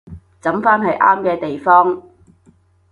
抌返喺啱嘅地方